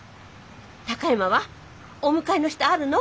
高山はお迎えの人あるの？